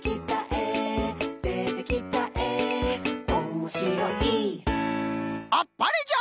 「でてきたえおもしろい」あっぱれじゃ！